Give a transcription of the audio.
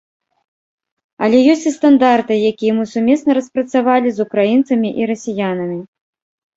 Але ёсць і стандарты, якія мы сумесна распрацавалі з украінцамі і расіянамі.